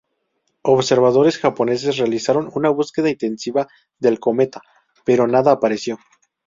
Observadores japoneses realizaron una búsqueda intensiva del cometa, pero nada apareció.